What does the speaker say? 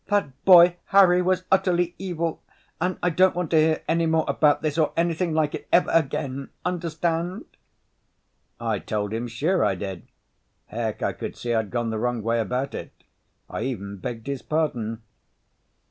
"That boy Harry was utterly evil. And I don't want to hear any more about this, or anything like it, ever again. Understand?" I told him sure I did. Heck, I could see I'd gone the wrong way about it. I even begged his pardon.